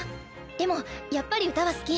でもやっぱり歌は好き。